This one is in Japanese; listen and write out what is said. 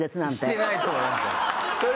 してないと思います。